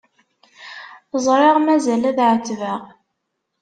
Ẓriɣ mazal ad ɛettbeɣ.